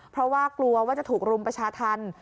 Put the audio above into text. เพราะว่ากลัวว่าจะถูกรุมประชาธรรม